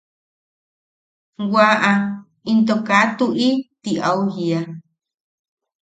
Waʼa into kaa tuʼi ti au jiia.